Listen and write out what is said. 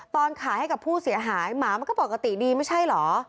ตอนขายให้กับผู้เสียหายหมามันก็ปกติดีไม่ใช่เหรอ